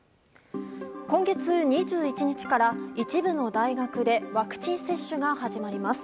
今月２１日から、一部の大学でワクチン接種が始まります。